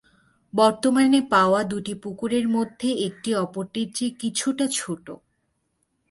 বর্তমানে পাওয়া দুটি পুকুরের মধ্যে একটি অপরটির চেয়ে কিছুটা ছোট।